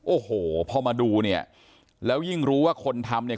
โอ้โหพอมาดูเนี่ยแล้วยิ่งรู้ว่าคนทำเนี่ย